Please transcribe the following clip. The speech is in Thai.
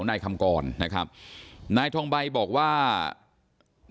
ตอนนั้นเขาก็เลยรีบวิ่งออกมาดูตอนนั้นเขาก็เลยรีบวิ่งออกมาดู